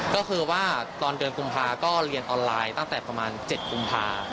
ก็คือว่าตอนเดือนกุมภาก็เรียนออนไลน์ตั้งแต่ประมาณ๗กุมภา